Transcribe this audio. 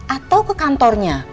atau ke kantornya